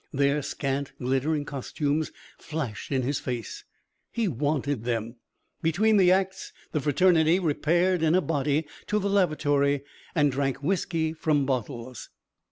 Their scant, glittering costumes flashed in his face. He wanted them. Between the acts the fraternity repaired in a body to the lavatory and drank whisky from bottles.